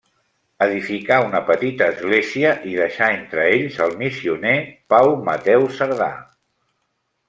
Edificà una petita església i deixà entre ells el missioner Pau Mateu Cerdà.